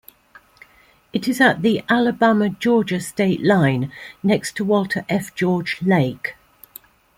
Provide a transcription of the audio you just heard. It is at the Alabama-Georgia state line next to Walter F. George Lake.